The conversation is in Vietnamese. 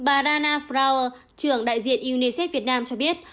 bà rana fro trưởng đại diện unicef việt nam cho biết